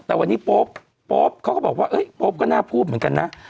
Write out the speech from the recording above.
แต่วันนี้โป๊ปเขาก็บอกว่าโป๊ปก็น่าพูดเหมือนกันนะ